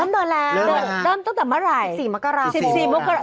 เริ่มเดินแล้วเริ่มตั้งแต่เมื่อไหร่สิบสี่มกราโฮสิบสี่มกราโฮ